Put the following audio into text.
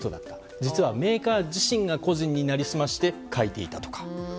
実はメーカー自身が個人に成り済まして書いていたとか。